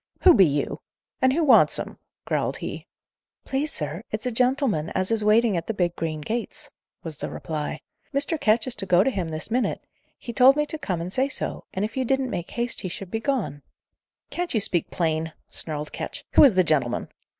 "Who be you? and who wants him?" growled he. "Please, sir, it's a gentleman as is waiting at the big green gates," was the reply. "Mr. Ketch is to go to him this minute; he told me to come and say so, and if you didn't make haste he should be gone." "Can't you speak plain?" snarled Ketch. "Who is the gentleman?"